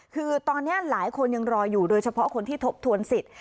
คือตอนนี้หลายคนยังรออยู่โดยเฉพาะคนที่ทบทวนสิทธิ์